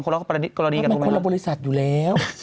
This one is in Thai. คนละกรณีกันรู้ไหมครับมันคนละบริษัทอยู่แล้ว